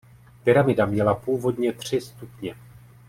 Pyramida měla původně tři stupně.